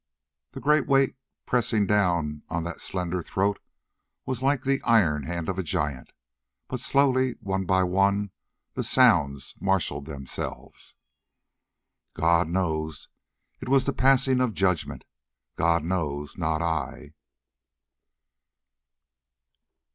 The great weight pressing down on that slender throat was like the iron hand of a giant, but slowly, one by one, the sounds marshalled themselves: "...God knows..." It was the passing of Judgment. "God knows...not I."